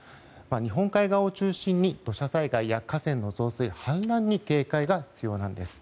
日本海側を中心に土砂災害や河川の増水、氾濫に警戒が必要なんです。